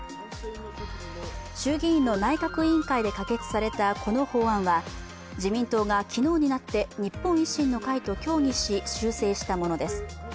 衆議院の内閣委員会で可決されたこの法案は自民党が昨日になって日本維新の会と協議し、修正したものです。